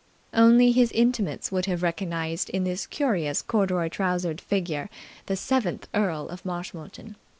Only his intimates would have recognized in this curious corduroy trousered figure the seventh Earl of Marshmoreton.